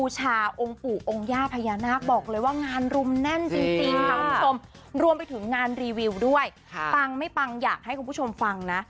ธัญญาอาซยามฮอตจริงอะไรจริงนะคุณผู้ชมนะ